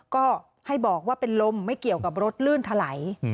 ก็ให้บอกว่าเป็นลมไม่เกี่ยวกับรถลื่นถลัย